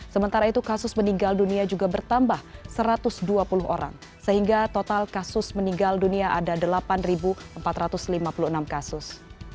sementara itu kasus meninggal dunia juga bertambah satu ratus dua puluh orang sehingga total kasus meninggal dunia ada delapan empat ratus lima puluh enam kasus